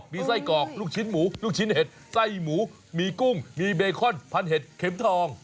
มีไส้กรอกลูกชิ้นหมูลูกชิ้นเห็ดไส้หมูมีกุ้งมีเบคอนพันเห็ดเข็มทอง